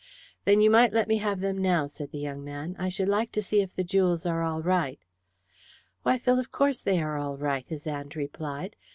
"Then you might let me have them now," said the young man. "I should like to see if the jewels are all right." "Why, Phil, of course they are all right," his aunt replied.